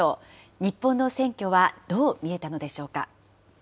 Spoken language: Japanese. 日本の選挙はどう見えたのでしょうか。